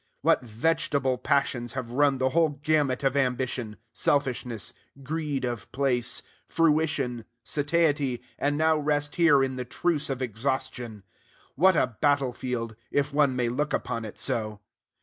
What vegetable passions have run the whole gamut of ambition, selfishness, greed of place, fruition, satiety, and now rest here in the truce of exhaustion! What a battle field, if one may look upon it so!